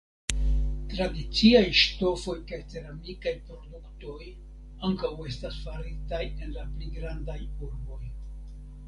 Tradiciaj ŝtofoj kaj ceramikaj produktoj ankaŭ estas faritaj en la pli grandaj urboj.